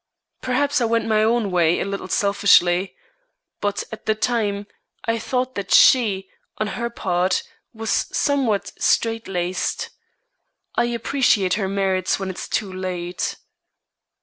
Perhaps I went my own way a little selfishly, but at the time, I thought that she, on her part, was somewhat straight laced. I appreciate her merits when it is too late."